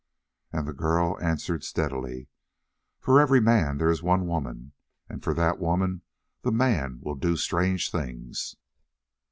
And the girl answered steadily: "For every man there is one woman, and for that woman the man will do strange things."